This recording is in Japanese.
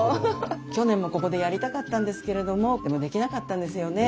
去年もここでやりたかったんですけれどもでもできなかったんですよね